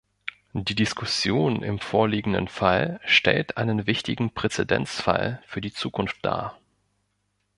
Die Diskussion im vorliegenden Fall stellt einen wichtigen Präzedenzfall für die Zukunft dar.